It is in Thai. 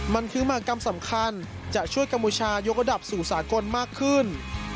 มันคือมากรรมสำคัญจะช่วยกัมพูชายกระดับสู่สากลมากขึ้น